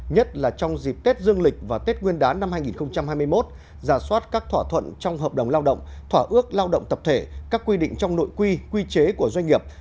nhất là trong dịp tết dương lịch và tết nguyên đán năm hai nghìn hai mươi một giả soát các thỏa thuận trong hợp đồng lao động thỏa ước lao động tập thể các quy định trong nội quy quy chế của doanh nghiệp